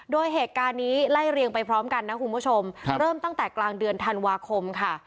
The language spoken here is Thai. โดยเหตุการณ์นี้ไล่เรียงไปพร้อมกันนะคุณผู้ชมเริ่มตั้งแต่กลางเดือนธันวาคมค่ะ